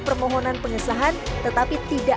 permohonan pengesahan tetapi tidak